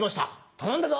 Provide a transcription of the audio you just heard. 頼んだぞ！